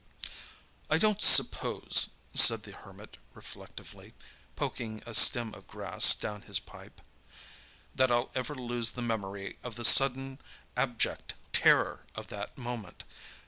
"I don't suppose," said the Hermit reflectively, poking a stem of grass down his pipe, "that I'll ever lose the memory of the sudden, abject terror of that moment.